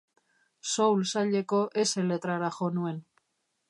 Soul saileko s letrara jo nuen.